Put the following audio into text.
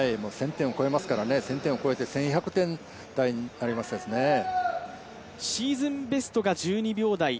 １０００点を超えますからね、１０００点を超えてシーズンベストが１２秒台。